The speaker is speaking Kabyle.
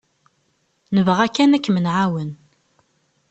Nebɣa kan ad kem-nεawen.